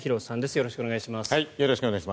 よろしくお願いします。